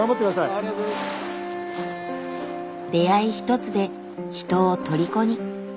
出会いひとつで人をとりこに。